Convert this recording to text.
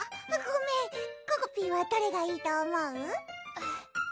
ごめんここぴーはどれがいいと思う？